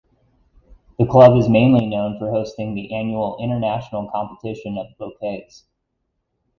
The club is mainly known for hosting the annual "International Competition of Bouquets".